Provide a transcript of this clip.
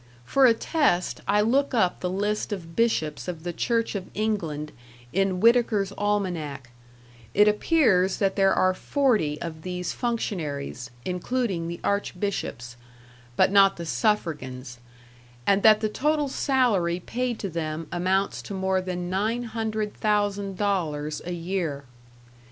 For a test I look up the list of bishops of the Church of England in Whitaker's Almanac; it appears that there are 40 of these functionaries, including the archbishops, but not the suffragans; and that the total salary paid to them amounts to more than nine hundred thousand dollars a year.